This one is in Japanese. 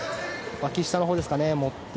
脇下のほうですかね